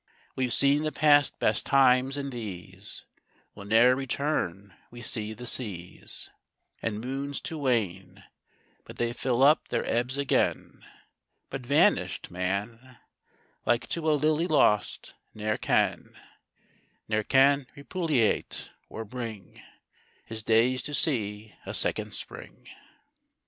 We've seen the past best times, and these Will ne'er return; we see the seas, And moons to wane, But they fill up their ebbs again; But vanish'd man, Like to a lily lost, ne'er can, Ne'er can repullulate, or bring His days to see a second spring.